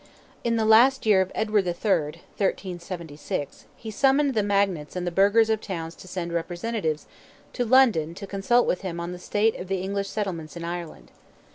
In the last year of Edward III. (1376), he summoned the magnates and the burghers of towns to send representatives to 'London to consult with him on the state of the English settlements in Ireland.